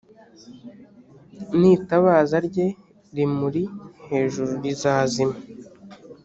n’itabaza rye rimuri hejuru rizazima